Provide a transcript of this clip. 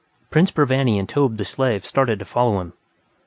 Prince Burvanny and Tobbh the Slave started to follow him.